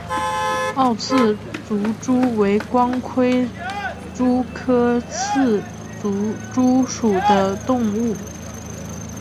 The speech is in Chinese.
凹刺足蛛为光盔蛛科刺足蛛属的动物。